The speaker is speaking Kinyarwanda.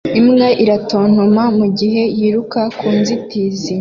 Imbwa iratontoma mugihe yiruka ku nzitizi